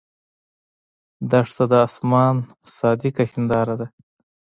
دښته د آسمان صادقه هنداره ده.